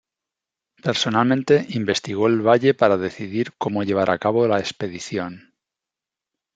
Personalmente, investigó el valle para decidir cómo llevar a cabo la expedición.